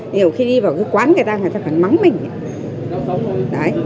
nhiều khi đi vào cái quán người ta thì phải mắng mình